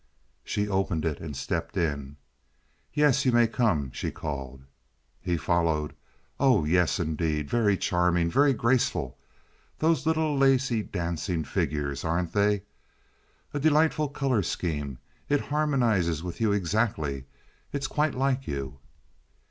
She opened it and stepped in. "Yes, you may come," she called. He followed. "Oh yes, indeed. Very charming. Very graceful—those little lacy dancing figures—aren't they? A delightful color scheme. It harmonizes with you exactly. It is quite like you."